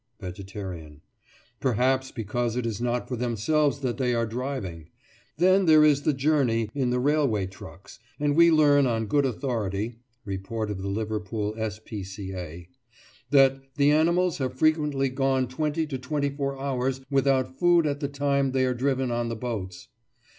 VEGETARIAN: Perhaps because it is not for themselves that they are driving. Then there is the journey in the railway trucks, and we learn on good authority (Report of the Liverpool S.P.C.A.) that "the animals have frequently gone twenty to twenty four hours without food at the time they are driven on the boats."